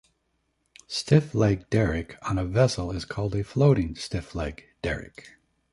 Stiffleg derrick on a vessel is called a floating stiffleg derrick.